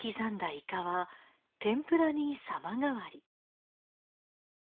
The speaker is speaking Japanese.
イカは天ぷらに様変わり。